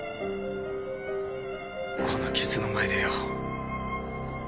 この傷の前でよ。